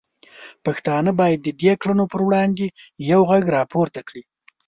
پښتانه باید د دې کړنو پر وړاندې یو غږ راپورته کړي.